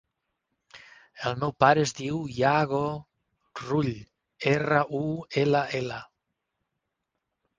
El meu pare es diu Yago Rull: erra, u, ela, ela.